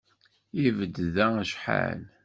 Ibedd da acḥal.